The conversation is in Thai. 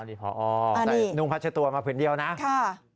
อ๋อนี่นุงพัชตัวมาพื้นเดียวนะ